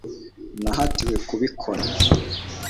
nahatiwe kubikora